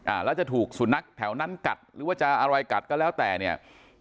แล้วจะถูกสุนัขแถวนั้นกัดหรือว่าจะอะไรกัดก็แล้วแต่เนี่ย